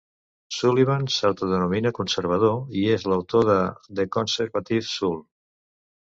Sullivan s'autodenomina conservador i és l'autor de "The Conservative Soul".